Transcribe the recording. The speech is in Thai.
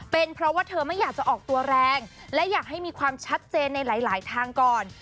เป็นเพราะว่าเธอไม่อยากจะออกตัวแรงและอยากให้มีความชัดเจนในหลายทางก่อน